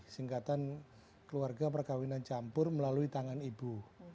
singkatan keluarga perkawinan campur melalui tangan ibu